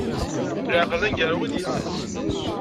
Laɛqel, d aneggaru i d-ittas.